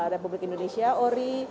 republik indonesia ori